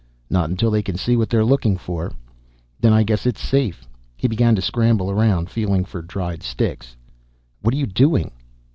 "Not until they can see what they're looking for." "Then I guess it's safe." He began to scramble around, feeling for dried sticks. "What are you doing?"